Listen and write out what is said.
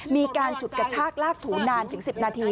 มีการฉุดกระชากลากถูนานถึง๑๐นาที